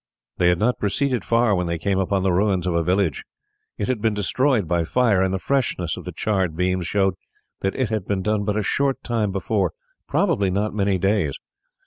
They had not proceeded far when they came upon the ruins of a village. It had been destroyed by fire, and the freshness of the charred beams showed that it had been done but a short time before, probably not many days.